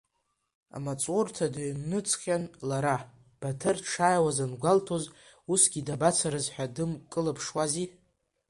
Амаҵурҭа дыҩныҵхьан лара, Баҭыр дшааиуаз ангәалҭоз, усгьы дабацарыз ҳәа дымкылԥшуази.